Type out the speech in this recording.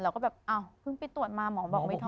เราก็แบบอ้าวเพิ่งไปตรวจมาหมอบอกไม่โทร